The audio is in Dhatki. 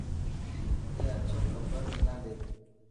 اي اڇو ڪمبل منا ڏي.